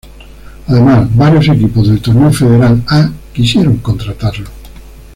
Además, varios equipos del Torneo Federal A quisieron contratarlo.